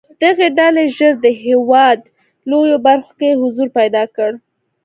دغې ډلې ژر د هېواد لویو برخو کې حضور پیدا کړ.